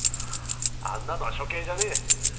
あんなのは処刑じゃねえ！